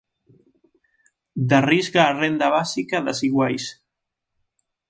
'Da Risga á Renda básica das iguais'.